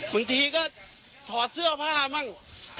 บางทีก็ถอดเสื้อผ้ามั่ง